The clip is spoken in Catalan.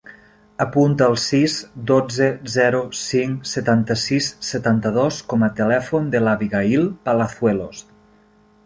Apunta el sis, dotze, zero, cinc, setanta-sis, setanta-dos com a telèfon de l'Abigaïl Palazuelos.